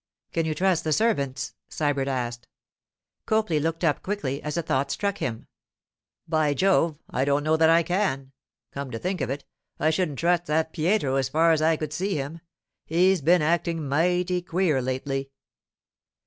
'Can you trust the servants?' Sybert asked. Copley looked up quickly as a thought struck him. 'By Jove! I don't know that I can. Come to think of it, I shouldn't trust that Pietro as far as I could see him. He's been acting mighty queer lately.